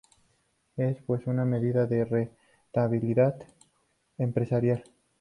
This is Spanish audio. Es, pues, una medida de rentabilidad empresarial.